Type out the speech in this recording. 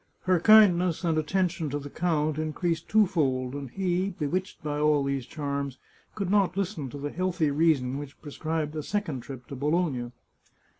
Her kindness and attention to the count increased twofold, and he, bewitched by all these charms, could not listen to the healthy reason which pre scribed a second trip to Bologna.